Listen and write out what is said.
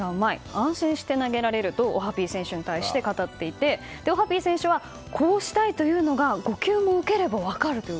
安心して投げられるとオハピー選手に対して語っていて、オハピー選手はこうしたいというのが５球も受ければ分かると。